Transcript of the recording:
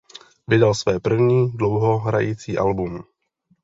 Vydal své první dlouhohrající album.